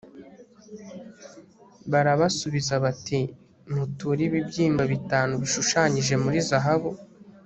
barabasubiza bati muture ibibyimba bitanu bishushanyije muri zahabu